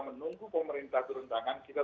menunggu pemerintah turun tangan kita